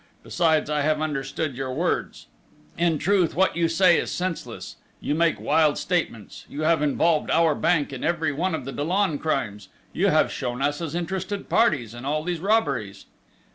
Besides, I have understood your words! In truth, what you say is senseless: you make wild statements! You have involved our Bank in every one of the Dollon crimes!... You have shown us as interested parties in all these robberies!"